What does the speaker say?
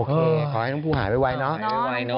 ขอให้น้องภูหายไวเนอะ